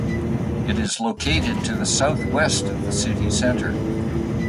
It is located to the south-west of the city centre.